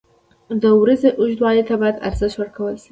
• د ورځې اوږدوالي ته باید ارزښت ورکړل شي.